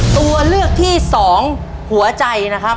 ตัวเลือกที่สองหัวใจนะครับ